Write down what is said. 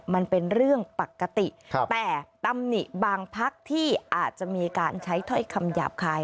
มันเป็นเรื่องปกติแต่ตำหนิบางพักที่อาจจะมีการใช้ถ้อยคำหยาบคาย